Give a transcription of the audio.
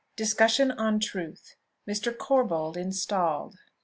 DISCUSSION ON TRUTH. MR. CORBOLD INSTALLED.